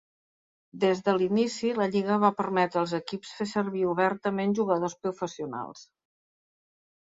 Des de l'inici, la lliga va permetre als equips fer servir obertament jugadors professionals.